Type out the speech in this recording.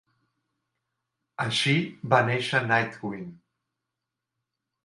Així, va néixer Nite-Wing.